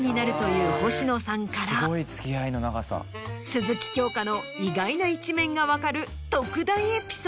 鈴木京香の意外な一面が分かる。